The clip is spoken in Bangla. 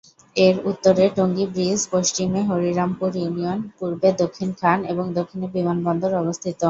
এর উত্তরে টঙ্গী ব্রীজ, পশ্চিমে হরিরামপুর ইউনিয়ন, পূর্বে দক্ষিণ খান ও দক্ষিণে বিমানবন্দর অবস্থিত।